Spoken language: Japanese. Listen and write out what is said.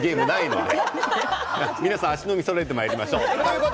皆さん足並みそろえてまいりましょう。